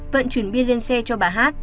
vẫn chuyển bia lên xe cho bà hát